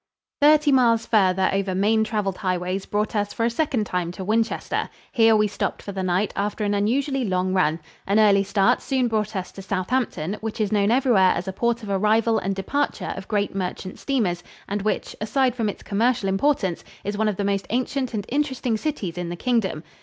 Thirty miles farther over main traveled highways brought us for a second time to Winchester. Here we stopped for the night after an unusually long run. An early start soon brought us to Southampton, which is known everywhere as a port of arrival and departure of great merchant steamers and which, aside from its commercial importance, is one of the most ancient and interesting cities in the Kingdom.